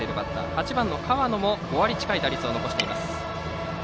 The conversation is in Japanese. ８番の河野も５割近い打率を残しています。